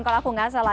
kalau aku gak salah